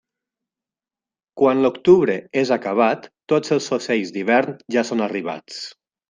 Quan l'octubre és acabat, tots els ocells d'hivern ja són arribats.